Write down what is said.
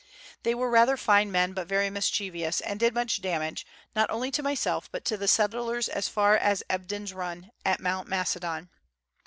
They were rather fine men, but very mischievous, and did much damage, not only to myself, but to the settlers as far as Ebden's run, at Mount Macedon.